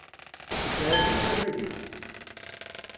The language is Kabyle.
Kra din d amagnu.